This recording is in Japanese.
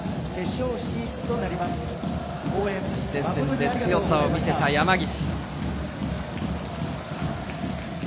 前線で強さを見せた山岸。